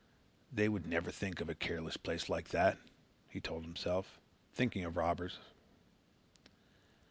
"They wouldn't never think of a careless place like that," he told himself, thinking of robbers.